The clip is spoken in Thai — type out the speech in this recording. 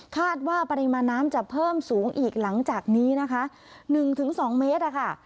คาดว่าปริมาณน้ำจะเพิ่มสูงอีกหลังจากนี้นะคะ๑๒เมตรนะคะ